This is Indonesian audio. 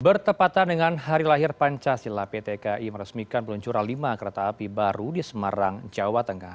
bertepatan dengan hari lahir pancasila pt ki meresmikan peluncuran lima kereta api baru di semarang jawa tengah